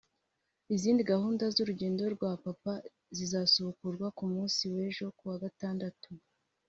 Izindi gahunda z’urugendo rwa papa zizasubukurwa ku munsi w’ejo kuwa gatandatu